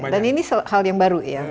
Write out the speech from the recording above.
dan ini hal yang baru ya